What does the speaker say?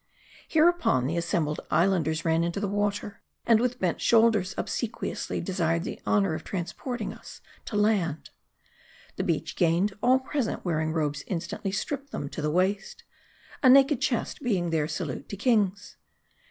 Hereupon, the assembled islanders ran into the water, and with bent shoulders obsequiously desired the honor of transporting us to land. The beach gained, all present wearing robes instantly stripped them to the waist ; a naked chest being their salute to kings.